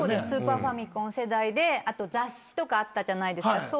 スーパーファミコン世代であと雑誌とかあったじゃないですか。